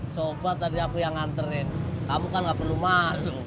sobat tadi aku yang nganterin kamu kan nggak perlu mak